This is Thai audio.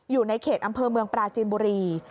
อยู่ในเขตอำเภอเมืองปราจีนบุรี